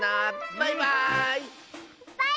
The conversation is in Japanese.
バイバーイ！